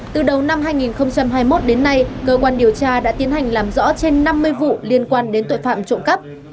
từ đầu năm hai nghìn hai mươi một đến nay cơ quan điều tra đã tiến hành làm rõ trên năm mươi vụ liên quan đến tội phạm trộm cắp